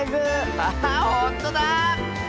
アハほんとだ！